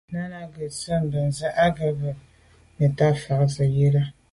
Náná à’ghə̀ zí’jú mbə́zə̄ á gə̄ bút búù nə̀táà fà’ zə̀ á Rə́ə̀.